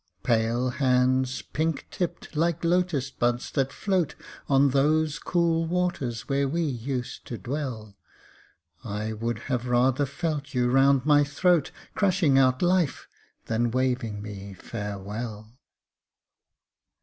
Pale hands, pink tipped, like Lotus buds that float On those cool waters where we used to dwell, I would have rather felt you round my throat, Crushing out life, than waving me farewell!